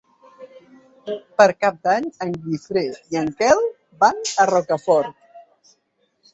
Per Cap d'Any en Guifré i en Quel van a Rocafort.